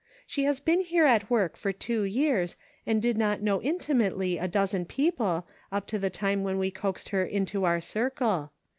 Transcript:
She has been here at work for two years, and did not know intimately a dozen people, up to the time when we coaxed her into our circle.